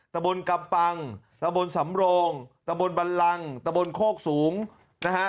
ตะบนกำปังตะบนสำโรงตะบนบันลังตะบนโคกสูงนะฮะ